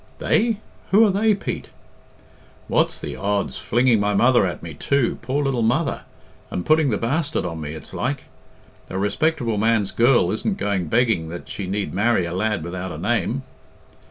"They? Who are they, Pete?" "What's the odds? Flinging my mother at me, too poor little mother! And putting the bastard on me, it's like. A respectable man's girl isn't going begging that she need marry a lad without a name."